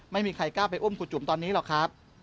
ไม่มีใครกล้าไปอุ้มครูจุ๋มตอนนี้หรอกครับ